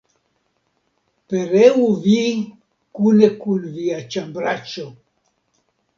Pereu vi kune kun via ĉambraĉo!